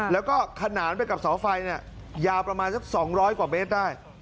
แล้วก็ขนานไปกับเสาไฟยาวประมาณสัก๒๐๐กว่าเมตรได้